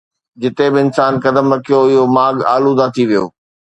جتي به انسان قدم رکيو، اُهو ماڳ آلوده ٿي ويو